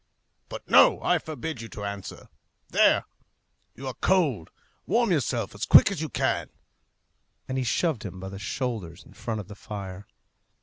But no. I forbid you to answer. There! You are cold. Warm yourself as quick as you can," and he shoved him by the shoulders in front of the fire.